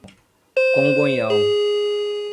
Congonhal